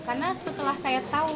karena setelah saya tahu